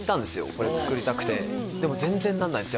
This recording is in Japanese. これ作りたくてでも全然ならないんです